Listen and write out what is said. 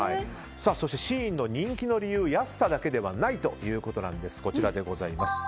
そしてＳＨＥＩＮの人気の理由安さだけじゃないということです。